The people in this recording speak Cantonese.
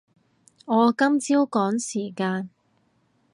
我今朝趕時間